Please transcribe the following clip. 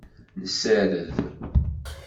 Nessared.